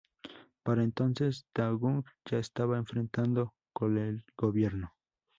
Para entonces, Dae-jung ya estaba enfrentado con el gobierno.